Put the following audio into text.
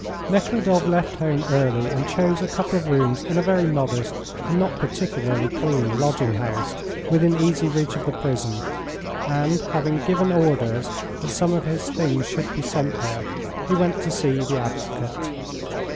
Nekhludoff left home early and chose a couple of rooms in a very modest and not particularly clean lodging house within easy reach of the prison, and, having given orders that some of his things should be sent there, he went to see the advocate.